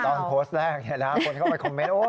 ตอนโพสต์แรกคนเข้าไปคอมเมนต์